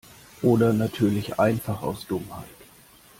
Oder natürlich einfach aus Dummheit.